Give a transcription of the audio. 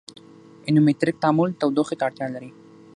اندوترمیک تعامل تودوخې ته اړتیا لري.